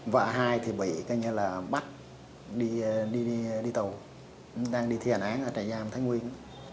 vợ hai thì bị bắt đi tù đang đi thi hành án ở trại giam thái nguyên